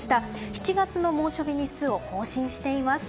７月の猛暑日日数を更新しています。